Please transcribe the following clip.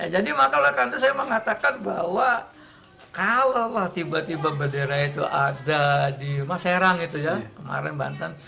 jadi maka saya mengatakan bahwa kalau tiba tiba banderanya itu ada di mas herang itu ya kemarin bantan